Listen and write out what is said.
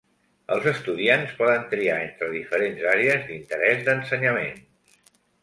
Els estudiants poden triar entre diferents àrees d'interès d'ensenyament.